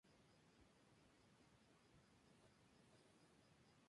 Estoy realmente agradecida a todos ellos.